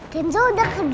kenzo udah kembali